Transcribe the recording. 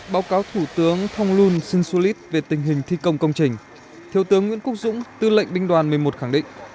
báo cáo thủ tướng thông luân si su lít về tình hình thi công công trình thiếu tướng nguyễn cúc dũng tư lệnh binh đoàn một mươi một khẳng định